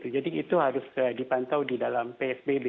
jadi itu harus dipantau di dalam psbb